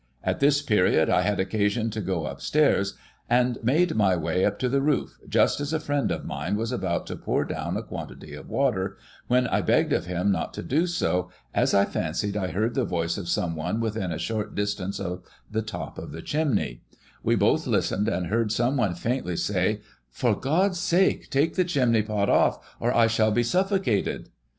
" At this period, I had occasion to go upstairs, and made my way on to the roof, just as a friend of mine was about to pour down a quantity of water, when I begged of him not to do so, as I fancied I heard the voice of someone within a short distance of the top of the chimney ; we both listened, and heard someone faintly say, " For God's sake, take the chimney pot off, or I shall be suffocated."